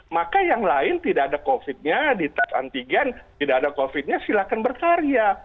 maka yang lain tidak ada covid nya dites antigen tidak ada covid nya silakan berkarya